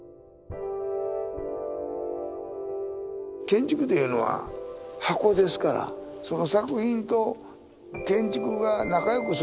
建築というのは箱ですからその作品と建築が仲良くする必要はない。